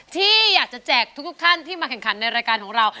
ที่อยากจะแจกทุกท่านที่มาแข่งขันในรายการของเรา